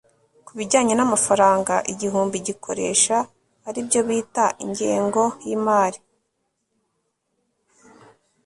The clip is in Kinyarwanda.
ku bijyanye n'amafaranga igihugu gikoresha, ari byo bita ingengo y'imari